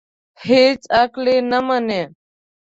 هېڅ عقل یې نه مني.